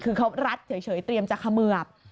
คือเขารัดเฉยเตรียมจะเขมือบ